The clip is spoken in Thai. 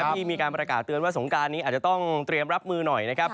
ที่มีการประกาศเตือนว่าสงการนี้อาจจะต้องเตรียมรับมือหน่อยนะครับ